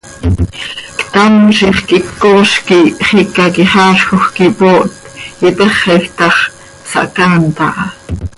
Ctam ziix quih ccooz quih xiica quixaazjoj quih ipooht, ipexej ta x, sahcaant aha.